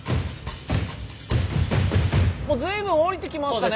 もう随分おりてきましたね！